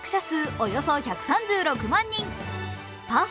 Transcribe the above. およそ１３６万人。